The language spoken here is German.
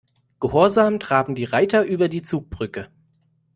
Gehorsam traben die Reiter über die Zugbrücke.